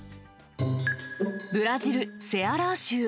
ブラジル・セアラー州。